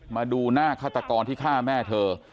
มาดูหน้าฆาตกรที่ฆ่าแม่เธอ